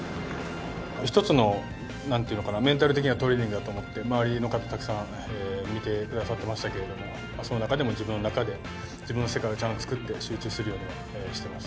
１つの、なんていうのかな、メンタル的なトレーニングだと思って、周りの方、たくさん見てくださってましたけれども、その中でも自分の中で、自分の世界をちゃんと作って、集中するようにはしてました。